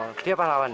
oh dia pahlawan ya